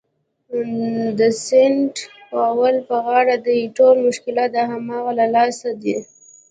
د سینټ پاول په غاړه ده، ټول مشکلات د همدغه له لاسه دي.